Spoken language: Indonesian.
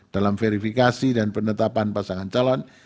dalam verifikasi dan penetapan pasangan calon